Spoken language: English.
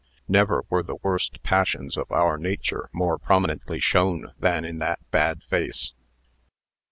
Never were the worst passions of our nature more prominently shown than in that bad face."